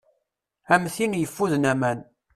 Am tin yeffuden aman.